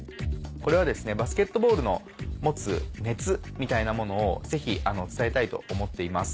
これはバスケットボールの持つ熱みたいなものをぜひ伝えたいと思っています。